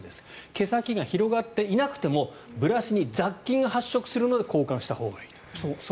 毛先が広がっていなくてもブラシに雑菌が繁殖するので交換したほうがいい。